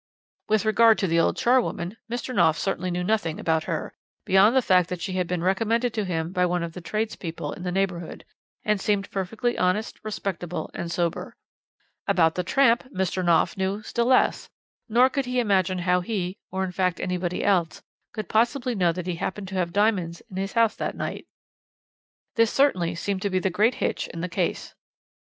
"With regard to the old charwoman, Mr. Knopf certainly knew nothing about her, beyond the fact that she had been recommended to him by one of the tradespeople in the neighbourhood, and seemed perfectly honest, respectable, and sober. "About the tramp Mr. Knopf knew still less, nor could he imagine how he, or in fact anybody else, could possibly know that he happened to have diamonds in his house that night. "This certainly seemed the great hitch in the case.